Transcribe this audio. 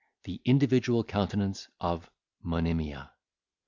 the individual countenance of Monimia.